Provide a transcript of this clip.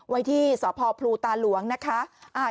ไว้ที่สพพลูตาหลวงนะคะ